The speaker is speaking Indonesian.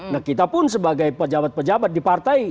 nah kita pun sebagai pejabat pejabat di partai